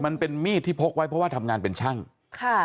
มันเป็นมีดที่พกไว้เพราะว่าทำงานเป็นช่างค่ะ